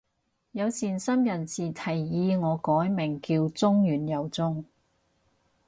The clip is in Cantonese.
有善心人士提議我改名叫中完又中